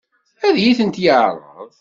Ad iyi-ten-yeɛṛeḍ?